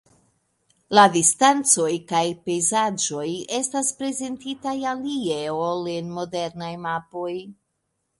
La distancoj kaj pejzaĝoj estas prezentitaj alie, ol en modernaj mapoj.